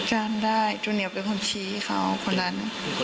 จำได้จูเหนียวเป็นคนชี้เขาคนนั้น